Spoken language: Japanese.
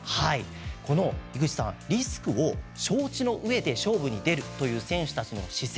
井口さん、リスクを承知のうえで勝負に出るという選手たちの姿勢